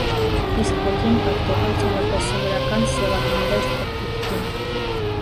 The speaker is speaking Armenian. Իսկ ոգին պատկերված է որպես սովորական սևահանդերձ փոքրիկ կին։